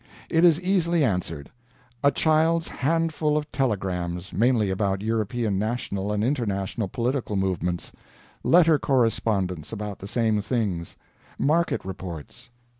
It is easily answered: A child's handful of telegrams, mainly about European national and international political movements; letter correspondence about the same things; market reports.